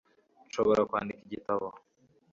Nshobora kwandika igitabo